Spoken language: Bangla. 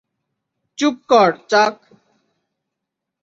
চুপ কর, চাক।